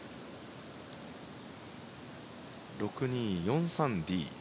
６２４３Ｂ。